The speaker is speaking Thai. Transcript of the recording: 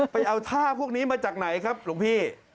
ไปเอาท่าพวกนี้มาจากไหนครับหลวงพี่